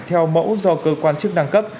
theo mẫu do cơ quan chức năng cấp